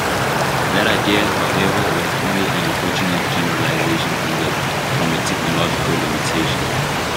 That idea, however, was only an unfortunate generalization from a technological limitation.